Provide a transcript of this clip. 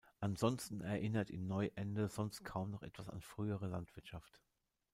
Ansonsten erinnert in Neuende sonst kaum noch etwas an frühere Landwirtschaft.